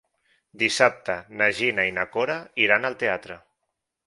Dissabte na Gina i na Cora iran al teatre.